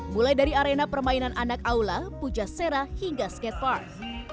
mulai dari arena permainan anak aula puja sera hingga skatepark